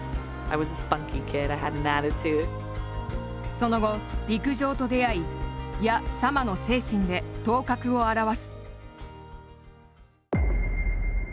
その後、陸上と出会いヤ・サマの精神で頭角を現す。